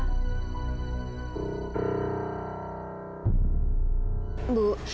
tadi gewoon muhammad boleh sedih treesh